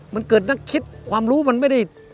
มันเกิดนักคิดความรู้มันไม่ได้